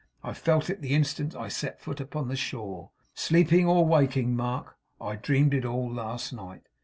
I felt it the instant I set foot upon the shore. Sleeping or waking, Mark, I dreamed it all last night.